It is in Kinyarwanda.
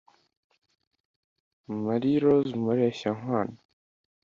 Marie Rose Mureshyankwano